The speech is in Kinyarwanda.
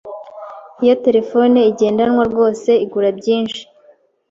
Iyi terefone igendanwa rwose igura byinshi.